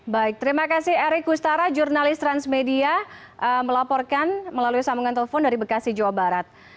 baik terima kasih erik kustara jurnalis transmedia melaporkan melalui sambungan telepon dari bekasi jawa barat